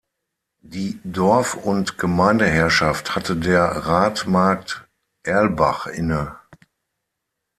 Die Dorf- und Gemeindeherrschaft hatte der Rat Markt Erlbach inne.